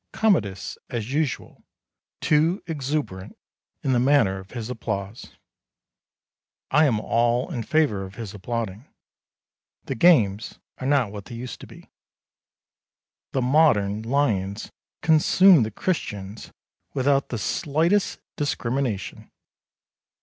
Commodus, as usual, too exuberant in the manner of his applause. I am all in favour of his applauding. The games are not what they used to be. The modern lions consume the Christians without the slightest discrimination.